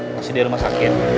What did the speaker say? masih di rumah sakit